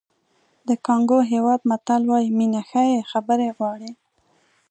د کانګو هېواد متل وایي مینه ښې خبرې غواړي.